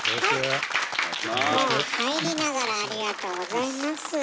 もう入りながらありがとうございます。